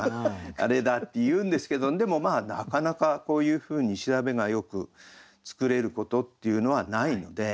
あれだって言うんですけどでもなかなかこういうふうに調べがよく作れることっていうのはないので。